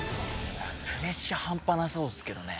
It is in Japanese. プレッシャー半端なさそうですけどね。